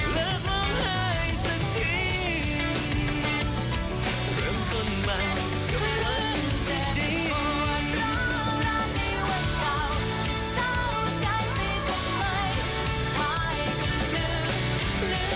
วันนี้ยังทรมานแค่ร้ายลงความว่าว่าใช่ไหม